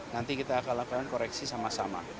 nanti kita akan lakukan koreksi sama sama